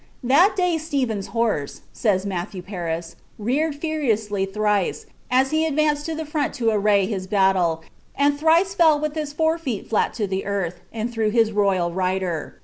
^That day Stephen's horse," says Matthew Paris, ^ reared furiously thrice, as he advanced to the front to'array his battle, and thrice fell with his forefeet flat to the earth, and threw his royal rider.